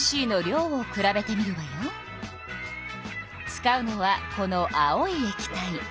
使うのはこの青いえき体。